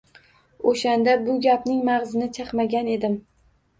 O’shanda bu gapning mag’zini chaqmagan edim.